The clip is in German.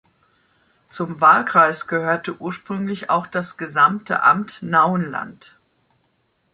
Zum Wahlkreis gehörte ursprünglich auch das gesamte Amt Nauen-Land.